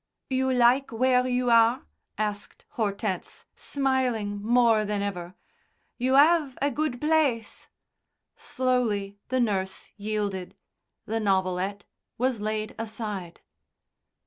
"You like where you are?" asked Hortense, smiling more than ever. "You 'ave a good place?" Slowly the nurse yielded. The novelette was laid aside.